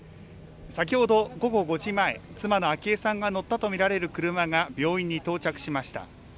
先ほど午後５時前、妻の昭恵さんが乗ったと見られる車が病院に到着しました。